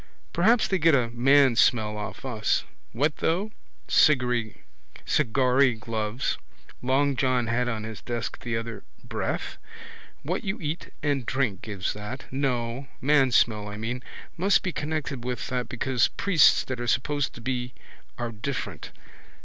Perhaps they get a man smell off us. What though? Cigary gloves long John had on his desk the other day. Breath? What you eat and drink gives that. No. Mansmell, I mean. Must be connected with that because priests that are supposed to be are different.